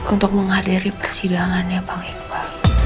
untuk menghadiri persidangannya pang irva